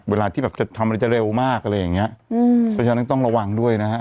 เวลาที่แบบจะทำอะไรจะเร็วมากอะไรอย่างเงี้ยอืมเพราะฉะนั้นต้องระวังด้วยนะฮะ